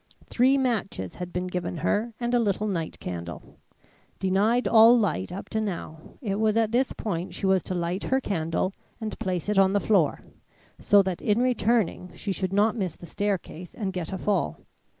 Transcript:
Three matches had been given her and a little night candle. Denied all light up to now, it was at this point she was to light her candle and place it on the floor, so that in returning she should not miss the staircase and get a fall.